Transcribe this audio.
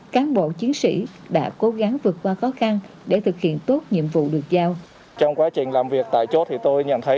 cán bộ chiến sĩ đã cố gắng vượt qua khó khăn để thực hiện tốt nhiệm vụ được giao